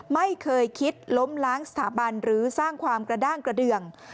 ไม่เคยคิดล้มล้างสถาบันหรือสร้างความกระด้างกระเดือง